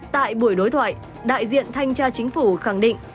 tại buổi đối thoại đại diện thanh tra chính phủ khẳng định